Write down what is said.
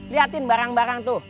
lihatin barang barang tuh